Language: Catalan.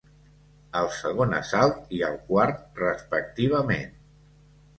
Al segon assalt i al quart, respectivament.